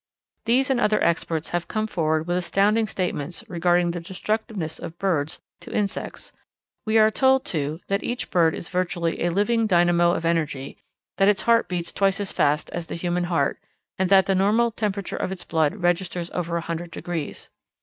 These and other experts have come forward with astounding statements regarding the destructiveness of birds to insects. We are told, too, that each bird is virtually a living dynamo of energy; that its heart beats twice as fast as the human heart; and that the normal temperature of its blood registers over a hundred degrees.